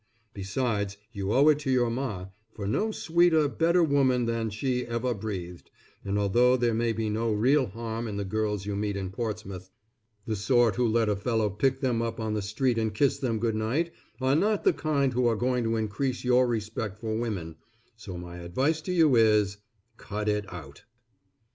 Besides you owe it to your Ma, for no sweeter, better woman than she ever breathed, and although there may be no real harm in the girls you meet in Portsmouth, the sort who let a fellow pick them up on the street and kiss them good night, are not the kind who are going to increase your respect for women, so my advice to you is, cut it out.